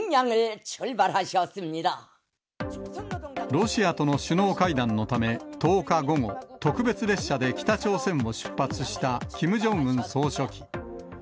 ロシアとの首脳会談のため、１０日午後、特別列車で北朝鮮を出発したキム・ジョンウン総書記。